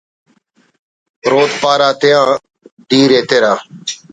رود پارہ) آتیان دیر ایترہ